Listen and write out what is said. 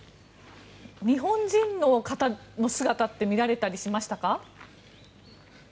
日本人の姿って見られたりしましたか？